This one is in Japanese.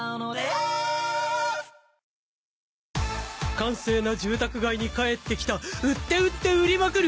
閑静な住宅街に帰ってきた売って売って売りまくる！